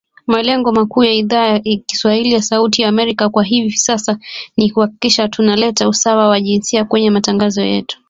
Malengo makuu ya Idhaa ya kiswahili ya Sauti ya Amerika kwa hivi sasa ni kuhakikisha tuna leta usawa wa jinsia kwenye matangazo yetu